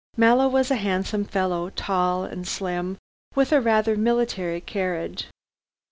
Mallow was a handsome fellow, tall and slim, with a rather military carriage.